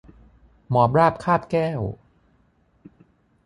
หมอบราบคาบแก้ว